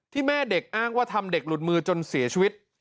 แม่เด็กอ้างว่าทำเด็กหลุดมือจนเสียชีวิต